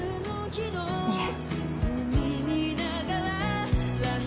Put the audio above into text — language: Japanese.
いえ